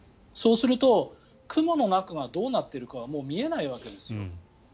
そうすると雲の中がどうなっているかはもう見えないわけですよ。